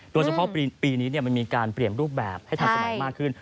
โดยเฉพาะปีนี้มันมีการเปลี่ยนรูปแบบให้ทันสมัยมากขึ้น